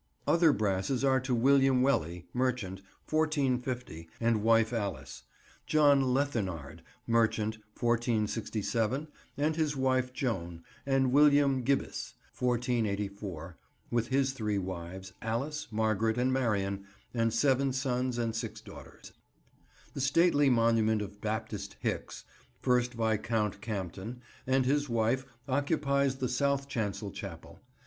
Other brasses are to William Welley, merchant, 1450, and wife Alice; John Lethenard, merchant, 1467, and his wife Joan; and William Gybbys, 1484, with his three wives, Alice, Margaret and Marion, and seven sons and six daughters. The stately monument of Baptist Hicks, first Viscount Campden, and his wife occupies the south chancel chapel.